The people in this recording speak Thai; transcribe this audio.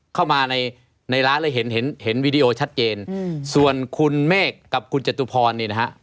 เข้ามาในในร้านแล้วเห็นเห็นวีดีโอชัดเจนส่วนคุณเมฆกับคุณจตุพรนี่นะฮะ